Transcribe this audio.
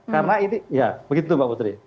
karena ini ya begitu mbak putri